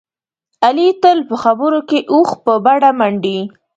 علي تل په خبرو کې اوښ په بډه منډي.